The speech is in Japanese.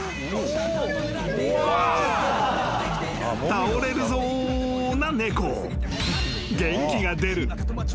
［「倒れるぞ！」な猫］